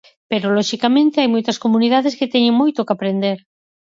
Pero loxicamente hai moitas comunidades que teñen moito que aprender.